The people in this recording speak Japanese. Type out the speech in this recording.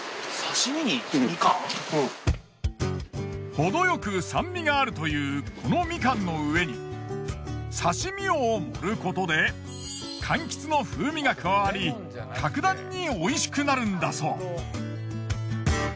程よく酸味があるというこのみかんの上に刺身を盛ることで柑橘の風味が加わり格段においしくなるんだそう！